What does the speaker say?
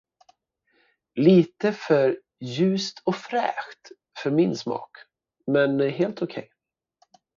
Lite för ”ljust och fräscht” för min smak, men helt okej.